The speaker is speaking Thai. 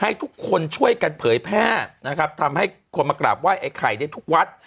ให้ทุกคนช่วยกันเผยแพร่นะครับทำให้คนมากราบไห้ไอ้ไข่ได้ทุกวัด